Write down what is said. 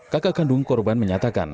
kaka kandung korban menyatakan